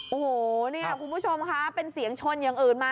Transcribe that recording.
โอ้โหเนี่ยคุณผู้ชมค่ะเป็นเสียงชนอย่างอื่นมา